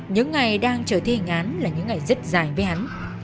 những ngày đang chờ thi hành án là những ngày rất dài với hắn